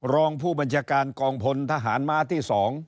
รองผู้บัญชาการกองพลทหารม้าที่๒